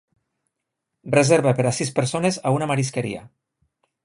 Reserva per a sis persones a una marisqueria.